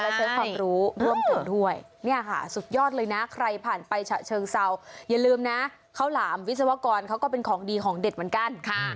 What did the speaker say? และใช้ความรู้รวมถึงด้วยเนี่ยค่ะสุดยอดเลยนะใครผ่านไปฉะเชิงเซาอย่าลืมนะข้าวหลามวิศวกรเขาก็เป็นของดีของเด็ดเหมือนกัน